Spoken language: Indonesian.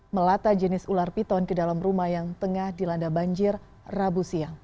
melata jenis ular piton ke dalam rumah yang tengah dilanda banjir rabu siang